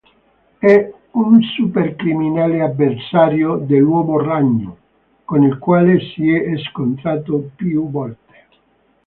È un supercriminale avversario dell'Uomo Ragno, con il quale si è scontrato più volte.